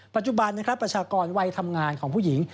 ปัจจุบันนะครับประชากรวัยทำงานของผู้หญิง